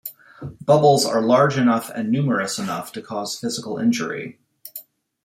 Bubbles are large enough and numerous enough to cause physical injury.